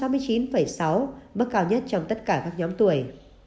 mức cao nhất trong tất cả các nhóm tuổi